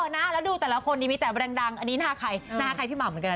นะแล้วดูแต่ละคนนี้มีแต่แรงดังอันนี้หน้าใครหน้าใครพี่หม่ำเหมือนกัน